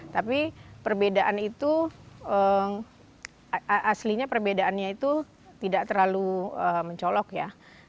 tapi perbedaan itu aslinya perbedaannya itu tidak terlalu mencolok ya